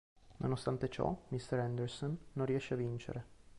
Nonostante ciò, Mr. Anderson non riesce a vincere.